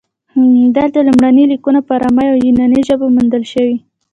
دلته لومړني لیکونه په ارامي او یوناني ژبو موندل شوي